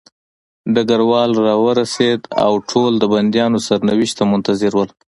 ډګروال راورسېد او ټول د بندیانو سرنوشت ته منتظر وو